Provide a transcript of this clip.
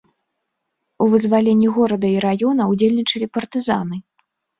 У вызваленні горада і раёна ўдзельнічалі партызаны.